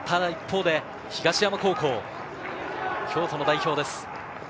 一方で東山高校、京都の代表です。